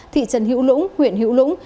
thị trần hiễu lũng huyện hiễu lũng